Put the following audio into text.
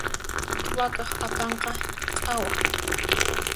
Wakaq akanqa q'awa.